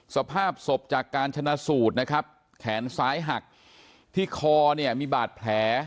สภาพศพจากการชนะสูตรนะครับแขนซ้ายหักที่คอเนี่ยมีบาดแผล